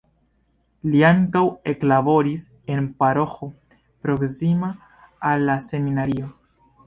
Li ankaŭ eklaboris en paroĥo proksima al la seminario.